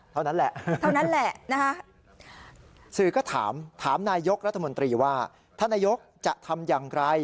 เท่านั้นแหละสื่อก็ถามถามนายกรมนตรีว่าถ้านายกจะทำอย่างไร